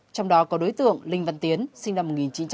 trong đó có đối tượng linh văn tiến sinh năm một nghìn chín trăm tám mươi